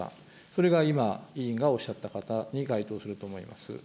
それが今、委員がおっしゃった方に該当すると思います。